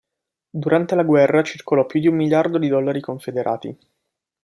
Durante la guerra circolò più di un miliardo di dollari confederati.